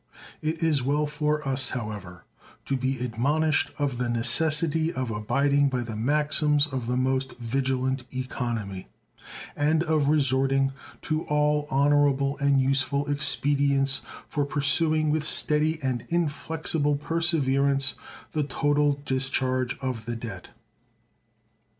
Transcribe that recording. It is well for us, however, to be admonished of the necessity of abiding by the maxims of the most vigilant economy, and of resorting to all honorable and useful expedients for pursuing with steady and inflexible perseverance the total discharge of the debt.